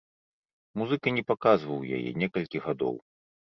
Музыка не паказваў яе некалькі гадоў.